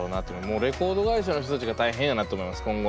もうレコード会社の人たちが大変やなって思います今後の。